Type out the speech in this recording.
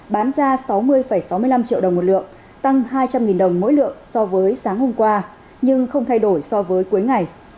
bán ra sáu mươi sáu mươi năm triệu đồng một lượng tăng hai trăm linh đồng mỗi lượng so với sáng hôm qua nhưng không thay đổi so với cuối ngày